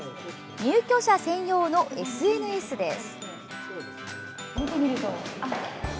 入居者専用のＳＮＳです。